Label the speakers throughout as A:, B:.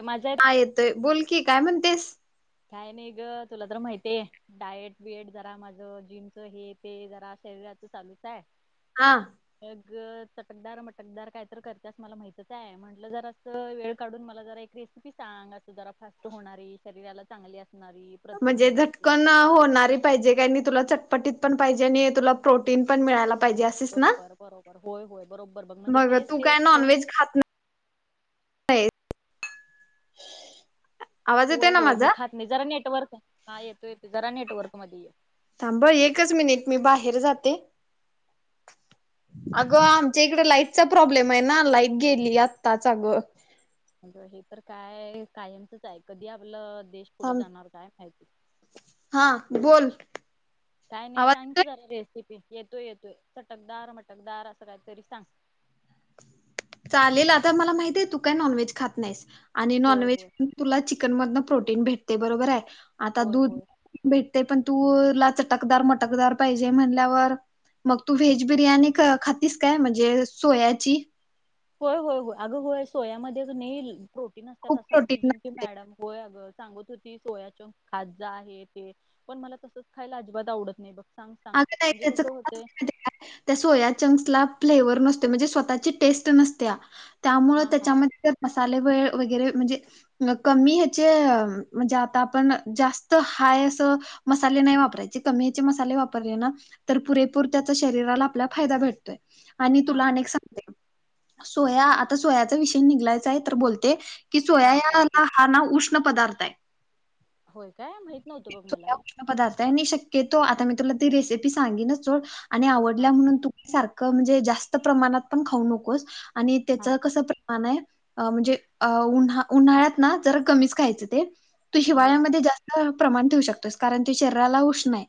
A: माझा आहे
B: हा येतोय बोल की काय म्हणतेस.
A: काय नाही गं तुला तर माहीतय, डायट बियट जरा माझं जिमच हे ते जरा शरीराच चालूचे.
B: हा.
A: चटकदार, मटकदार काय तर करतीयास मला माहितच आहे, म्हटलं जर असं वेळ काढून मला जरा एक रेसिपी सांग अस जरा फास्ट होणारी शरीराला चांगले अस
B: म्हणजे झटकन होणारी पाहिजे, काय मी तुला चट पटीत पण पाहिजे आणि तुला प्रोटीन पण मिळायला पाहिजे असेच ना
A: बरोबर बरोबर होय होय बरोबर बघ म्हणजे
B: मग
A: तेच
B: तू
A: तेच
B: काय
A: खाउन
B: नॉनव्हेज ट. [inaudible]
A: होय होय मी खात नाही जरा नेटवर्क हा येतो येतो जरा नेटवर्क मध्ये ये.
B: थांब एकच मिनिट मी बाहेर जाते अगं आमच्या इकड लाईटचा प्रॉब्लेमे ना लाईट गेली आताच अगं.
A: म्हल हे तर काय कायमचच आहे कधी आपलं देश पुढे जाणार काय माहिती
B: हा बोल
A: काय नाही सांग
B: आवाज
A: की जरा रेसिपी येतोय येतोय चटकदार मटकदार असं काहीतरी सांग
B: चालेल आता मला माहिती आहे तू काय नॉनव्हेज खात नाहीस आणि
A: होय
B: नॉनव्हेज
A: होय
B: तुला चिकन मदनं प्रोटीन भेटते बरोबर आहे आता
A: होय
B: दूध
A: होय
B: भेट ते पण तू ला चटकदार मटकदार पाहिजे म्हणल्यावर मग तू व्हेज बिर्याणी खातीस काय म्हणजे सोयाची
A: होय होय होय अगं होय सोयामध्ये कनी नसतात
B: खूप
A: असं आमची
B: प्रोटीन
A: जिम ची
B: असते
A: मॅडम होय आग सांगत सोयाच्या खाजा आहे ते पण मला तसच खायला अजिबात आवडत नाही बघ सांग सांग
B: अग नाही
A: म्हणजे
B: त्याच
A: कसं
B: का
A: होतंय
B: त्या सोया चंक्स ला फ्लेवर नसत म्हजे स्वतःची टेस्ट नसत्या त्यामुळे
A: हा हा
B: त्याच्यामधे मसाले ज मसाले वेळ वगैरे म्हणजे कमी हेचे म्हणजे आता आपण जास्त हाय असे मसाले नाही वापरायचे कमी हेचे मसाले वापरायचे पुरेपूर त्या शरीराला आपला फायदा भेतोय आणि
A: हा
B: तुला
A: हा
B: अनेक सांगते
A: हा
B: सोया आता सोया विषय निघालाच आहे तर बोलते की
A: हा सांगते
B: सोयाला हा नाव उष्म पदार्थ हाय.
A: होय काय माहित नव्हतं बघ
B: स
A: मला हे
B: उष्ण पदार्थ हाय आणि शक्य तो आता मी तुला ती रेसिपी सांगीनच सोड आणि आवडल्या
A: हा
B: म्हणून तुमी सारख म्हणजे जास्त प्रमाणात पण खाऊ नकोस. आणि त्याच
A: हा
B: कसं प्रमाण आहे. म्हणजे उन्हा उन्हाळ्यात ना जरा कमीच खायचं ते तू
A: बर
B: हिवाळ्यामध्ये जास्त प्रमाण ठेवू शकतेस कारण ते शरीराला उष्ण हाय.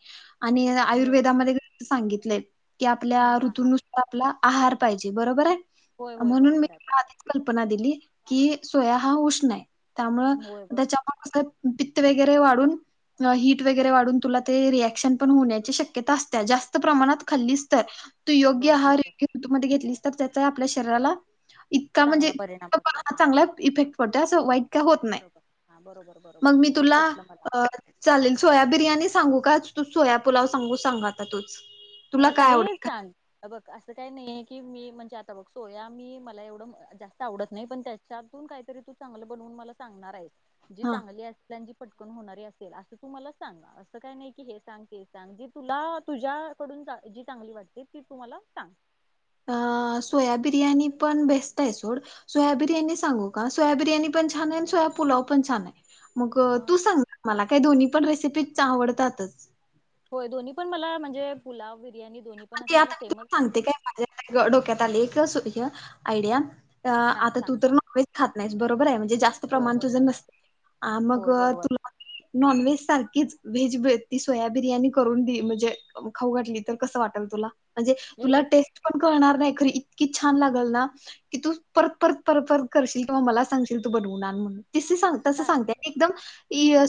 A: बर
B: आयुर्वेदामध्ये सांगितलेय की आपल्या
A: हा हा हा
B: ऋतूनुसार आपला आहार पाहिजे बरोबर आहे.
A: होय होय
B: म्हणून मी
A: बरोबर आहे बरोबर
B: आधीच कल्पना दिली. कि सोया हा उष्ण आहे. त्यामूळ
A: होय बरोबर
B: त्याच्यामूळ कस ट वगैरे वाढून हीट वगैरे वाढून तुला ते रिएक्शन पण होण्या शक्यता असतीया जास्त प्रमाणात खाल्लीस तर तू योग्य
A: बर बर
B: आहार
A: बर
B: मध्ये घेतलीस तर त्याचा आपल्या शरीराला इतका म्हणजे
A: चांगला परिणाम होतोय
B: हा चांगला इफेक्ट [unintelligible] होत नाही
A: बरोबर हा बरोबर बरोबर
B: मग मी तुला
A: पटलं मला
B: चालेल सोया बिर्याणी सांगू का? तु सोया पुलाव सांगू सांग आता तूच तुला
A: हो
B: काय
A: काहीही
B: आवडेल का
A: सांग हे बघ असं काही नाहीय आहे की मी म्हणजे आता बघ सोया मी मला एवढं जास्त आवडत नाही. पण त्याच्यातून काहीतरी तू चांगलं बनवून मला सांगणार आहेस. जी
B: हा
A: चांगली असल्याने पटकन होणारी असेल असं तू मला सांग असं काही नाही की हे सांग ते सांग जे तुला तुझ्या कडून जी चांगली वाटते ती तु मला सांग.
B: अ सोयाबिर्याणी पण बेस्ट आहे सोड सोयाबिर्याणी सांगू का? सोयाबिर्याणी पण छान आहे. आणि सोयापुलाव पण छान आहे. मग
A: अ,
B: तू सांग ना मला काही दोन्ही पण रेसिपी आवडतातच.
A: होय दोन्ही पण मला म्हणजे पुुलाव
B: मग ते आता [unintelligible] सांगते काय माझ डोक्यात आलंय एक आइडिया
A: हा
B: आता
A: सांग
B: तू तर
A: सांग
B: नॉनव्हेज खात नाहीस बरोबर आहे म्हणजे जास्त
A: होय
B: प्रमाण तुझं
A: बरोबर
B: नसत मग
A: होय बरोबर
B: तुला नॉनव्हेज सारखीच व्हेज ती सोया बिर्याणी करून दि म्हणजे खाऊ वाठली तर कसं वाटत तुला म्हणजे
A: हे-
B: तुला
A: हे-
B: टेस्ट पण करणार नाही खरी इतकी छान लागल ना की तू परत परत परत परत करशील किंवा मला सांगशील तू बनवणार म्हणून तस सांग तस
A: चा-
B: सांगते एकदम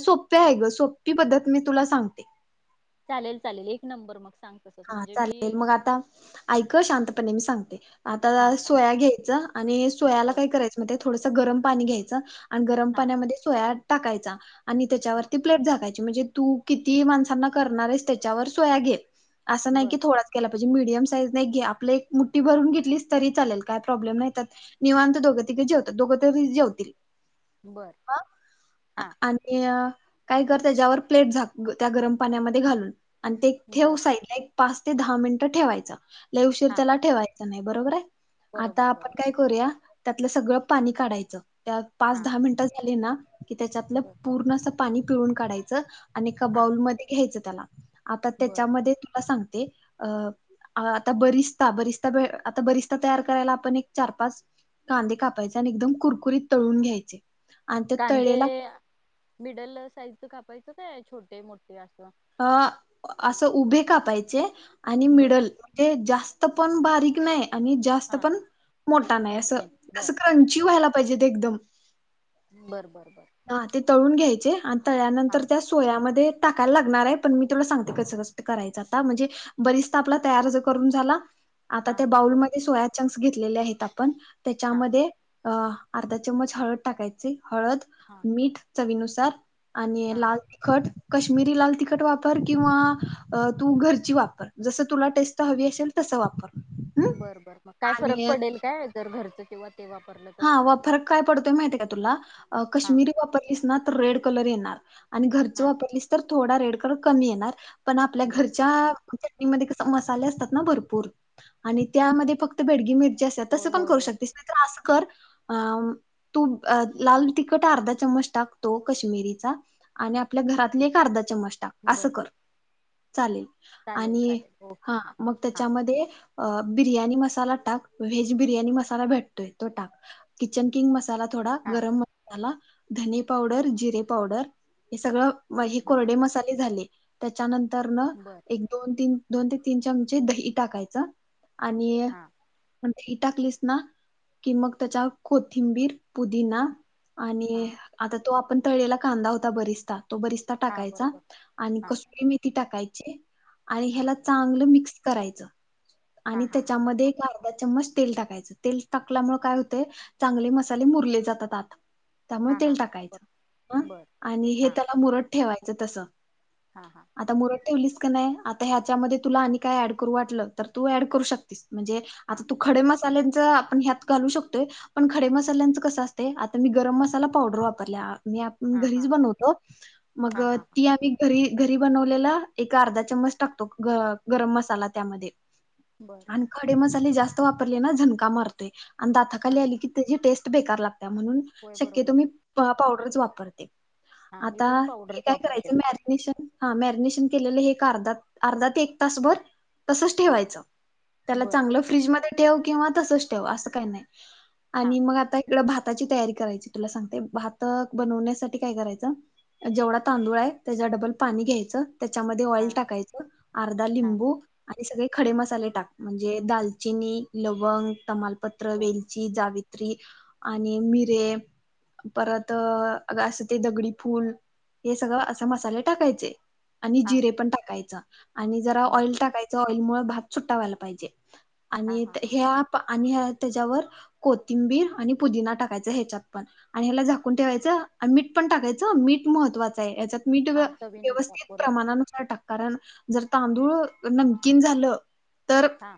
B: सोप्या आहे ग सोपी पद्धत मी तुला सांगते.
A: चालेल चालेल एक नंबर मग सांग तसच
B: हा
A: म्हणजे मी
B: चालेल मग
A: अ,
B: आता ऐक शांतपणे मी सांगतो. ते आता
A: हा सांग
B: सोया घ्यायचं आणि सोयाला
A: बर
B: काय करायचं म ते थोड गरम पाणी घ्यायच. आणि गरम
A: हा
B: पाण्यामध्ये सोया टाकायचा. आणि त्याच्यावरती प्लेट झागकायची म्हणजे तू किती मानसाना करणार आहेस त्याच्यावर सोया घे असं नाही की
A: बर
B: थोडाच केला म्हणजे मीडयम साईज नाही घे आपलं एक मुठी भरून घेतली तरी चालेल काय प्रॉब्लेम नाहीतात निवांत दोघं त जे दोघ तरी जेतील
A: बर
B: ह
A: हा
B: आणि काय कर त्याच्यावर प्लेट झा त्या गरम पाण्यामध्ये घालून आणि ते
A: बर
B: ठेऊसाय पाच ते दहा मिनिट ठेवायचं लय उशीर
A: हा
B: त्याला ठेवाय च नही नाही बरोबर आहे आता
A: बरोबर
B: आपण
A: बरोबर
B: काय करूया त्यातलं सगळं पाणी काढायचं त्यात पाच
A: हा
B: दहा मिनिटं झाली ना कि त्याच्यातलं
A: बर
B: पूर्ण असं पाणी पिळुन काढायचं आणि एका
A: हा
B: बाऊलमध्येध्ये घ्यायचं त्याला आता
A: बर
B: त्याच्यामध्ये सांगते अं अं आता बरिस्ता बरिस्ता, आता बरिस्ता तयार करायला आपण एक चार पाच कांदे कापायचे आणि एकदम कुरकुरीत तळून घ्यायचे. आणि त्या
A: कांदे
B: तळलेला
A: मिडल साईज कापायचं काय छोटे मोठे अस
B: अ असं उभे कापायचे आणि
A: बर
B: मिडल म्हणजे जास्त तर पण बारीक नाही आणि जास्त
A: हा
B: पण मोठा नाही, अस
A: मोठे
B: अस
A: बर बर
B: क्रंची व्हायला पाहिजेत एकदम
A: बर बर बर
B: हा ते तळून घ्यायचे अन
A: हा
B: तळल्यानंतर त्या सोयामध्ये टाकायला लागणार आहे, पण मी तुला सांगते कसं कसं ते करायचं आता म्हणजे, बरिस्ता आपला तयार जर करून झाला आता
A: हा
B: त्या बाउल
A: बरोबर
B: मध्ये सोया चंक घेतलेले आहेत आपण
A: हा
B: त्याच्यामध्ये अ अर्धा चमच हळद टाकायची हळद
A: हा
B: मीठ चवीनु [unintelligible] आणि लाल
A: हा
B: तिखट कश्मीरी लाल तिखट वापर किंवा अ तू घरची वापर जसं तुला टेस्ट हवी असेल तसं वापर. हम्
A: बर बर मग काय फरक
B: आणि
A: पडेल काय? जर घरचं किंवा ते वापर
B: हा व फरक काय पडतोय माहितीय का तुला,
A: हा
B: काश्मीरी वापरलीस ना तर रेड कलर येणार आणि घरच
A: हा
B: वापरलीस तर थोडा रेड कलर कमी येणार पण आपल्या
A: बर बर
B: घरच्या चटणी कस मध्ये मसाले असतात ना भरपूर, आणि त्यामध्ये फक्त बेडगी मिरची असत तसं
A: होय
B: पण
A: होय
B: करू
A: होय
B: शकतेस नाही तर असं कर अं तू लाल तिखट अर्धा चम्मच टाक तो कश्मिरीचा आणि आपल्या घरातली एक अर्धा चम्मच टाक, असं
A: बर
B: कर चालेल.
A: चालेल
B: आणि
A: चालेल ओके
B: हा मग
A: हा
B: त्याच्यामध्ये अं बिर्याणी मसाला टाक, व्हेज बिर्याणी मसाला भेटतोय. तो टाक, किचन किंग मसाला मसाला थोडा,
A: हा
B: गरम मसाला. धने पावडर, जिरे पावडर, हे सगळं. व हे
A: हा
B: कोरडे मसाले झाले. त्याच्या नंतर नंतर न
A: बर
B: एक, दोन, तीन दोन ते तीन चमचे दही टाकायचं. आणि
A: हा
B: म दही टाकलीस ना कि मग त्याच्यात कोथिंबीर, पुदिना आणि
A: हा
B: आता तो आप पण तळलेला कांदा होता बरीचता तो बरिचता
A: हा
B: टाकायचा
A: बरोबर
B: आणि
A: हां
B: कस्तुरी मेथी टाका जे आणि ह्याला
A: हां
B: चांगलं मिक्स करायचं. आणि
A: हां हां हां
B: त्याच्यामध्ये एक आर एक चम्मच तेल टाकायचं तेल टाकल्यामुळ काय होते चांगले मसाले मुरले जातात आत. त्यामुळ
A: हां
B: तेल
A: हां हां ब
B: टाकायचं ह
A: बरं
B: आणि हे
A: हां
B: त्याला मुरत ठेवाय म्हणजे तसं
A: हां हां
B: आता मुरत ठेवलीस का नाही आता ह्याच्यामध्ये तुला आणि काय ऍड करू वाटलं तर तू ऍड करू शकतीस. म्हणजे आता
A: हां
B: तू खडे मसाले [unintelligible] आपण ह्यात घालू शकतोय पण खडे मसाल्यांचं कसं असतंय आता मी गरम मसाला पावडर वापरल्या मी आपण
A: हां
B: घरीच
A: हां
B: बनवतो मग
A: हां हां हां
B: ती आम्ही घरी घरी बनवलेला एक अर्धा चम्मच टाकतो ग गरम मसाला त्यामध्ये
A: बरं
B: आणि खडे म [unintelligible] जास्त वापरली ना झनका मार तय. आणि
A: हां
B: दाताखाली आली की तेची टेस्ट बेकार लाग त्या म्हणून
A: होय
B: शक्यतो
A: बरोबर
B: मी प पावडरच वापरते.
A: हां मी
B: आता
A: पण
B: हे
A: पावडरच
B: काय
A: वापरते
B: करायचं मॅरीनेशन हां मॅरीनेशन [unintelligible] केलेलं एक अर्धा अर्धा ते एक तासभर. तसंच
A: हां
B: ठेवायचं त्याला
A: बरं
B: चांगलं फ्रीजमध्ये ठेव किंवा तसंच ठेव असं काही नाही.
A: हां
B: आणि मग आता एक इकड भाताची तयारी करायची तुला सांगते, भात बनवण्यासाठी काय करायचं, जेवढा तांदूळ आहे त्याच्या डब्बल पाणी घ्यायचं. त्याच्यामध्ये ऑइल
A: हां
B: टाकायचं, अर्धा
A: हां
B: लिंबू आणि सगळे खडे
A: हां
B: मसाले टाक. म्हणजे दालचिनी, लवंग. तमाल पत्र,
A: बरं
B: वेलची जावी त्रि, आणि मिरे, परत असं ते दगडी फूल हे सगळं असा मसाले टाकायचे. आणि
A: हां
B: जिरे पण टाकायच. आणि जरा
A: बरं
B: ऑइल टाकायचं. ऑईल मुळ भात सुट्टा व्हायला पाहिजे.
A: हां
B: आणि
A: हां हां
B: ह्या आणि ह्या त्याच्यावर कोथिंबीर आणि पुदिना टाकायचा, ह्याच्यात पण आणि ह्याला झाकून ठेवायचं, मीठ पण टाकायचं मीठ महत्त्वाचं आहे या्याच्यात. मीठ
A: हां चवीनुसार
B: व्यवस्थित
A: बरोबर
B: प्रमाणानुसार टाक कारण जर तांदूळ नमकीन झालं तर
A: हां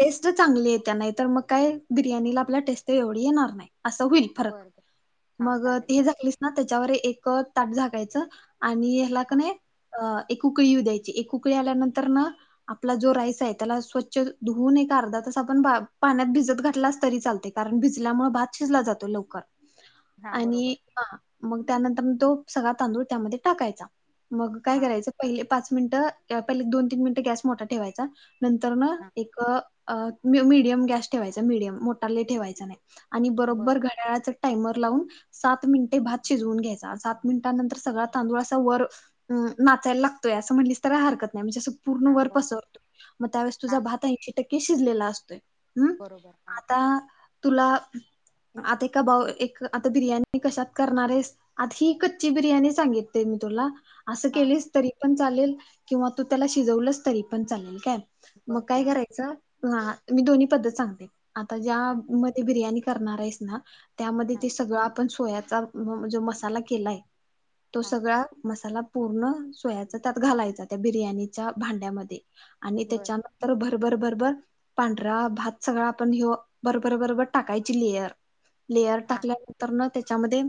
B: टेस्ट चांगली य त्या नाही [unintelligible] तर मग काय बिर्याणीला आपल्या टेस्ट एवढी येणार नाही असं होईल
A: बरं
B: फरक
A: बरं हां
B: मग
A: चालेल
B: ते
A: चालेल
B: झालीस ना त्याच्यावर एक ताट झाकायचं आणि ह्याला की
A: हां
B: नाही अ एक कुकळी येऊ द्यायची एक कुकळी आल्यानंतर ना आपला जो राईस आहे त्याला स्वच्छ धुवून एक अर्धा तास आपण बा पाण्यात भिजत घातला तरी चालते कारण भिजल्यामुळे भात शिजला जातो लवकर
A: हां
B: आणि
A: बरोबर
B: ह मग त्यानंतर तो सगळा तांदूळ त्यामध्ये टाकायचा मग काय
A: हां
B: करायचं पहिले पाच मिनि दोन तीन मिनट गॅस मोठा ठेवायचा नंतर ना
A: हां
B: एक अ मीडियम गॅस ठेवायचा मिडयम मोठा लय ठेवायचं नाही आणि
A: बरं
B: बरोबर घड्याळाच टायमर लावून सात मिनिटे भात शिजून घ्यायचा सात मिनिटानंतर सगळा तांदूळा वर नाचायला लागतोय असं म्हटलं तरी हरकत नाही म्हणजे पूर्ण
A: हां
B: वर
A: बरं बरं
B: पसरतो, मग त्यावेळेस तुझा
A: हां हां
B: भात
A: हां
B: ऐंशी टक्के शिजलेला असतो. असतोय हम्
A: बरोबर हा
B: आता तुला आता एका एक बा आता बिर्याणी कशात करणारेस आता ही कच्ची बिर्याणी सांगितते मी तुला असं
A: हां
B: केलीस तरी पण चालेल किंवा तू त्याला शिजवलंस तरी पण चालेल, काय मग
A: बरं
B: काय
A: हां
B: करायचं हा मी दोनी पद्धत सांगते. आता ज्या
A: हां
B: मध्ये बिर्याणी करणारयस ना, त्यामध्ये
A: हां
B: ते सगळं आपण सोयात [unintelligible] म्हणजे मसाला केलाय तो
A: हां
B: सगळा मसाला पूर्ण, सोयाच त्यात घालायचा, त्या बिर्याणीच्या भांड्यामध्ये आणि
A: बरं
B: त्याच्यानंतर भ बरं बरं बरं पांढरा भात सगळा आपण ह्यो बरं बरं बरं बरं टाकायची, लेयर लेअर
A: हां हां
B: टाकल्यानंतरनं त्या त्याच्यामध्ये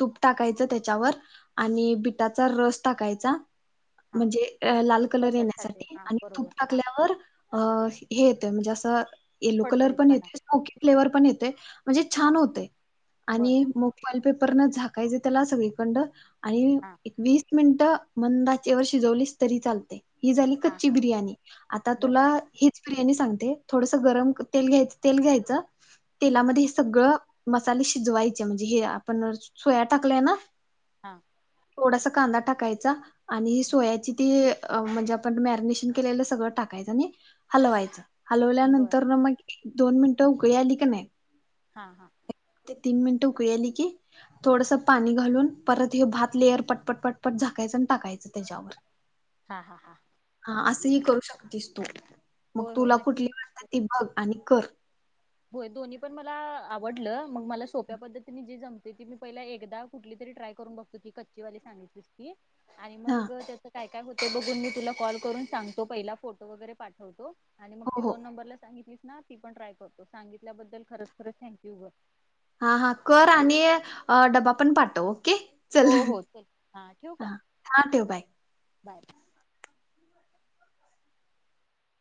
B: तूप टाकायचं त्याच्यावर आणि बिटाचा रस टाकायचा
A: हां
B: म्हणजे लाल
A: कलरसाठी
B: कलर येण्यासाठी
A: हां
B: आणि
A: बरोबर
B: तूप
A: हां
B: टाकल्यावर अ हे ते म्हणजे असं यलो कलर पण
A: फडफडीतपणा
B: येतोय स्मोकी फ्लेवर पण येतोय. ते म्हणजे छान!
A: हां
B: होतयं,
A: बर
B: आणि [unintelligible] वरण झाकायच त्याला सगळीकंड आणि
A: हां
B: एक, वीस मिन मंद आचेवर शिजवलीस तरी चालतयं ही झाली
A: हां
B: कच्ची
A: हां
B: बिर्याणी, आता
A: बर
B: तुला हीच बिर्यानी सांग. ते थोडसं गरम ते घ्यायच तेल घ्यायचं
A: हां
B: तेलामध्ये हे सगळं मसाले शिजवायचे, म्हणजे हे आपण सोया टाकलेय ना?
A: हा
B: थोडासा कांदा टाकायचा. आणि
A: हां
B: सोयाची ती अ म्हणजे आपण मॅरिनेशन केलेलं सगळं टाकायचं नी हलवायचं. हलवल्या
A: बर
B: नंतर ना म दोन मिनिट उकळी आली का नाही?
A: हा हा
B: ते तीन मिनिटं उकळी आली की थोडस पाणी घालून परत हे भात लेअर पटपट पट झाकायचं आणि टाकायचं त्याच्यावर.
A: हां हां हां
B: हा
A: समजलं
B: असंही
A: की
B: करू शकतीस, तू मग
A: होय होय
B: तुला कुठली
A: नक्की
B: तिळ त्या ती बघ आणि कर.
A: होय दोन्ही पण मला आवडलं. मग मला सोप्या पद्धतीने जे जम ते की मी पहिल्या एकदा कुठली तरी ट्राय करून बघतो. ती कच्चीवाली सांगितलीस ती. आणि
B: हा
A: मग त्याच काय? काय होतय, ते बघून मी तुला कॉल करून सांगतो. पहिला फोटो वगैरे पाठवतो. आणि मग
B: हो
A: ती
B: हो
A: दोन नंबरला सांगितली ना ती पण ट्राय करतो. सांगितल्याबद्दल खरचं खरचं थँक्यू ग.
B: हा हा कर आणि डबा पण पाठव. ओके.. चल
A: हो हो चल हां ठेवू का
B: हा ठेव. बाय.
A: बाय.